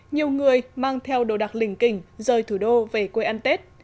nhiều người mang theo đồ đạc lình kình rời thủ đô về quê ăn tết